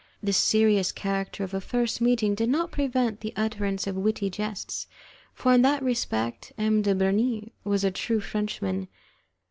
The serious character of a first meeting did not prevent the utterance of witty jests, for in that respect M. de Bernis was a true Frenchman.